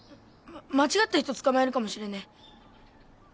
間違った人捕まえるかもしれねえ。